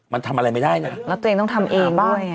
มันทำอะไรไม่ได้นะแล้วตัวเองต้องทำเองบ้าง